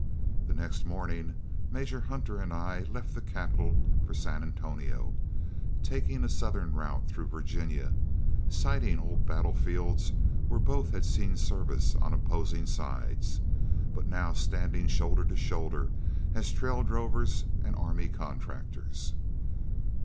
The next morning Major Hunter and I left the capital for San Antonio, taking a southern route through Virginia, sighting old battlefields where both had seen service on opposing sides, but now standing shoulder to shoulder as trail drovers and army contractors.